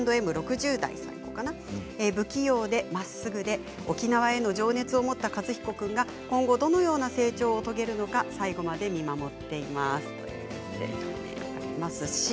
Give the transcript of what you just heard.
不器用でまっすぐで沖縄への情熱を持った和彦君が今後どのような成長を遂げるのか最後まで見守っていますということです。